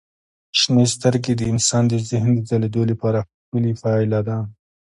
شنې سترګې د انسان د ذهن د ځلېدو لپاره ښکلي پایله ده.